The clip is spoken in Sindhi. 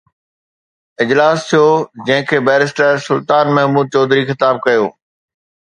اجلاس ٿيو جنهن کي بئريسٽر سلطان محمود چوڌري خطاب ڪيو